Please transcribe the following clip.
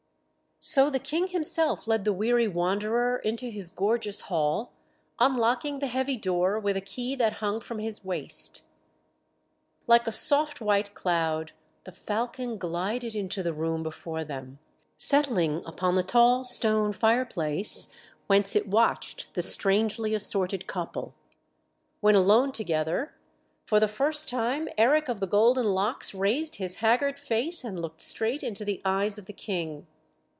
So the King himself led the weary wanderer into his gorgeous hall, unlocking the heavy door with the key that hung from his waist. Like a soft white cloud the falcon glided into the room before them, settling upon the tall stone fire place, whence it watched the strangely assorted couple. When alone together, for the first time Eric of the golden locks raised his haggard face and looked straight into the eyes of the King.